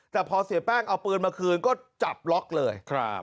แต่พอเสียแป้งเอาปืนมาคืนก็จับล็อกเลย